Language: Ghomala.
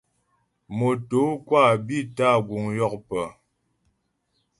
Motǒkwâ bi tâ guŋ yókpə.